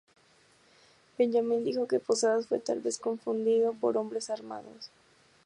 Benjamín dijo que Posadas fue tal vez confundido por hombres armados.